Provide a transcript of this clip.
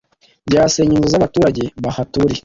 byasenya inzu zabaturage bahaturiye